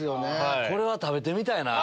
これは食べてみたいな。